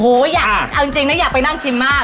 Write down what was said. ขออยากอร่อยจริงนะอยากไปนั่นชิมมาก